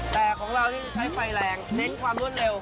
แต่ของเรานี่ใช้ไฟแรงเน้นความรวดเร็ว